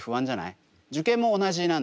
受験も同じなんですよ。